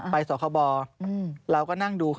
ไปสวขบเราก็นั่งดู